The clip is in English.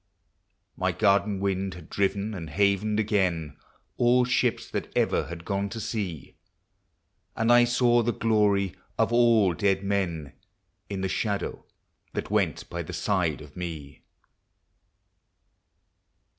My garden wind had driven and havened again All ships that ever had gone to sea, And I saw the glory of all dead men In the shadow that went by the side of me.